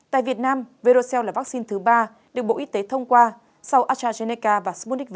tại việt nam verocell là vaccine thứ ba được bộ y tế thông qua sau astrazeneca và sputnik v